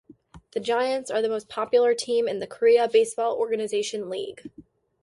The Giants are the most popular team in the Korea Baseball Organization league.